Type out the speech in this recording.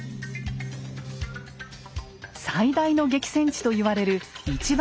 最大の激戦地と言われる一番